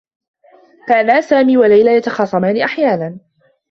كانا سامي و ليلى يتخاصمان أحيانا.